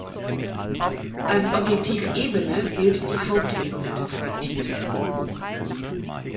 Als Objektiv-Ebene gilt die Hauptebene des Objektivs.